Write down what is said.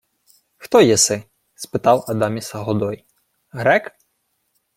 — Хто єси? — спитав Адаміса Годой. — Грек?